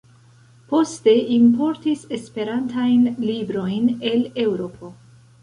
Poste importis Esperantajn librojn el Eŭropo.